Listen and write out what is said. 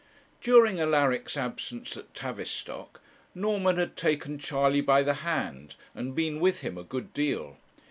During Alaric's absence at Tavistock, Norman had taken Charley by the hand and been with him a good deal.